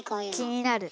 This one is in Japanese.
気になる。